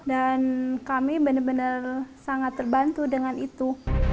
dan kami benar benar sangat terbantu dengan itu